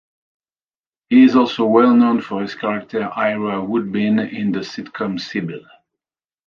He is also well known for his character Ira Woodbine in the sitcom "Cybill".